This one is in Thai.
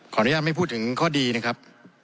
อนุญาตไม่พูดถึงข้อดีนะครับ